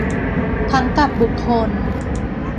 ทั้งกับบุคคล